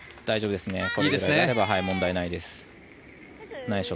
大丈夫ですね。